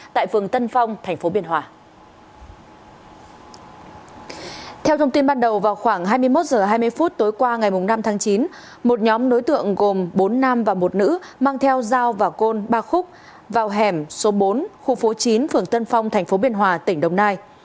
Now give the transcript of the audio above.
trước hai mươi phút tối qua ngày năm tháng chín một nhóm đối tượng gồm bốn nam và một nữ mang theo dao và côn ba khúc vào hẻm số bốn khu phố chín phường tân phong tp biên hòa tỉnh đồng nai